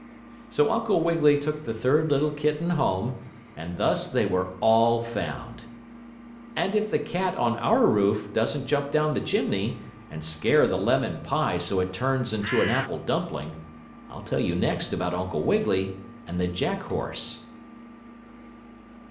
So Uncle Wiggily took the third little kitten home, and thus they were all found. And if the cat on our roof doesn't jump down the chimney, and scare the lemon pie so it turns into an apple dumpling, I'll tell you next about Uncle Wiggily and the Jack horse.